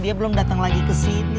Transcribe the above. dia belum datang lagi kesini